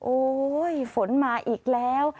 โอ๊ยฝนมาอีกแล้ว